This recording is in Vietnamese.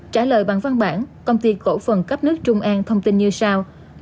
trả lời bằng văn bản công ty cổ phần cấp nước trung an thông tin như sau